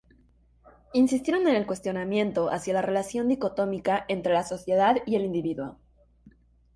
Insistieron en el cuestionamiento hacia la relación dicotómica entre la Sociedad y el Individuo.